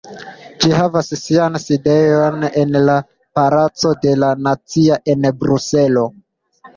Ĝi havas sian sidejon en la Palaco de la Nacio en Bruselo.